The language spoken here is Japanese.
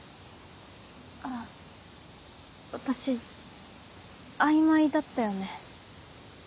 私曖昧だったよね。